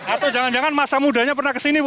atau jangan jangan masa mudanya pernah kesini bu